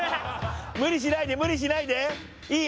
無理しないで無理しないでいいよ